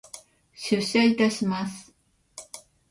出社いたします。